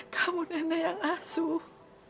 kamu nenek yang asuh